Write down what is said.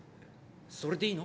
それでいいの？